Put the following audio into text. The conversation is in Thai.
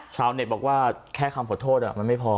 ชาวเน็ตบอกว่าแค่คำขอโทษมันไม่พอ